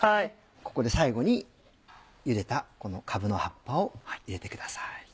ここで最後にゆでたこのかぶの葉っぱを入れてください。